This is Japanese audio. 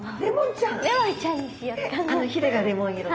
レモンの。